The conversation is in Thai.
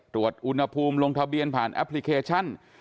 ตรวจอุณหภูมิลงทะเบียนผ่านแอปพลิเคชัน